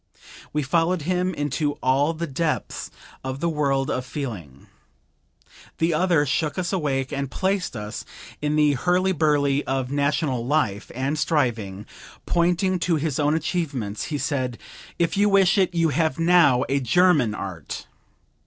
We followed him into all the depths of the world of feeling. The other shook us awake and placed us in the hurly burly of national life and striving; pointing to his own achievements, he said: "If you wish it, you have now a German art!"